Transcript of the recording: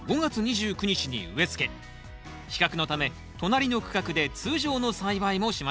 比較のため隣の区画で通常の栽培もしました。